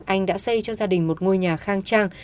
anh đã xây cho gia đình một ngôi nhà khang trang